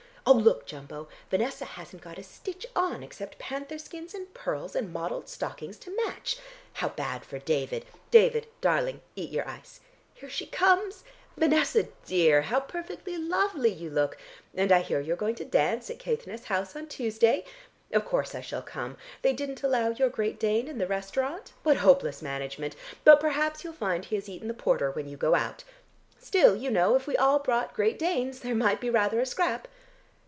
Oh, look, Jumbo! Vanessa hasn't got a stitch on except panther skins and pearls and mottled stockings to match. How bad for David. David, darling, eat your ice. Here she comes! Vanessa, dear, how perfectly lovely you look, and I hear you're going to dance at Caithness House on Tuesday. Of course I shall come. They didn't allow your great Dane in the restaurant? What hopeless management, but perhaps you'll find he has eaten the porter when you go out. Still, you know, if we all brought great Danes, there might be rather a scrap.